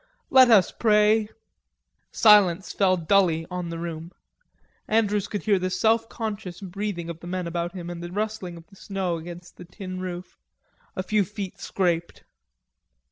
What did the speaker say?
Let us pray!" Silence fell dully on the room. Andrews could hear the selfconscious breathing of the men about him, and the rustling of the snow against the tin roof. A few feet scraped.